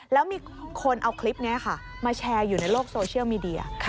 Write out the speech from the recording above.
แล้วมีคนเอาคลิปนี้ค่ะมาแชร์อยู่ในโลกโซเชียลมีเดีย